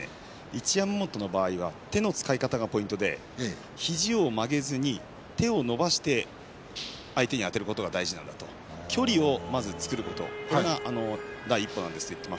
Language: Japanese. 一山本の場合は手の使い方がポイントで肘を曲げずに手を伸ばして相手にあてることが大事だと距離をまず作ることそれが第一歩なんですと言っています。